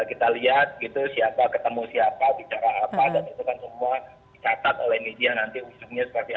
kita lihat gitu siapa ketemu siapa bicara apa dan itu kan semua dicatat oleh media nanti ujungnya seperti apa